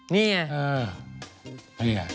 นี่ไง